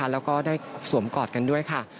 แล้วก็ได้สวมกอดกันด้วยค่ะ